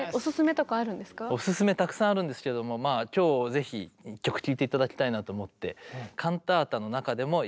おすすめたくさんあるんですけども今日ぜひ一曲聴いて頂きたいなと思って。